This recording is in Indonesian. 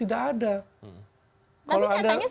lihat ada fenomena persepusi ada remaja